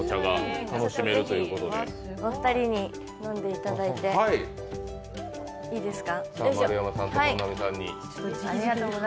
お二人に飲んでいただいていいですか。